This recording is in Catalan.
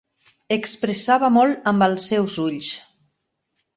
Expressava molt amb els seus ulls.